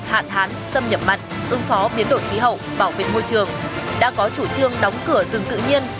hạn hán xâm nhập mặn ứng phó biến đổi khí hậu bảo vệ môi trường đã có chủ trương đóng cửa rừng tự nhiên